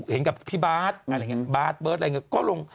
เห็นกับพี่บาร์ซอะไรอย่างนี้โรง